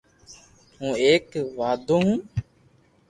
ھون ايڪ واڌو ھون